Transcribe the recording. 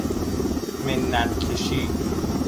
منت کشی